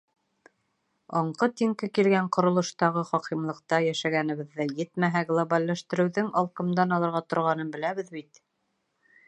Аңҡы-тиңке килгән ҡоролоштағы хакимлыҡта йәшәгәнебеҙҙе, етмәһә, глобалләштереүҙең алҡымдан алырға торғанын беләбеҙ бит.